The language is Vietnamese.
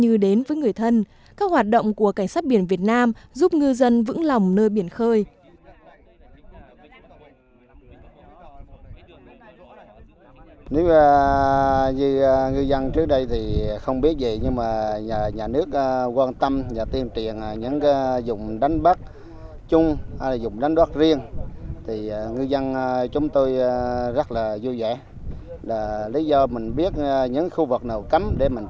như đến với người thân các hoạt động của cảnh sát biển việt nam giúp ngư dân vững lòng nơi biển khơi